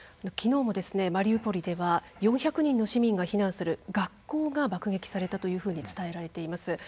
きのうもマリウポリでは４００人の市民が避難する学校が爆撃されたというふうに伝えられています。